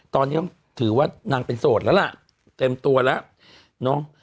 ตอนนี้ถือว่านางเป็นโสดแล้วล่ะเต็มตัวแล้วเนาะ